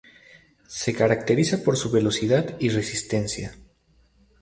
Se caracteriza por su velocidad y resistencia.